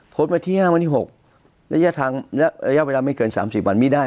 พบมาที่๕วันที่๖ระยะเวลาไม่เกิน๓๐วันไม่ได้